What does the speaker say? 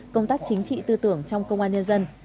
công tác chính trị tư tưởng trong công an nhân dân